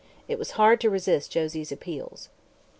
It was hard to resist Josie's appeals.